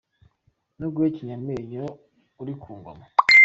No guhekenya amenyo uri ku ngoma !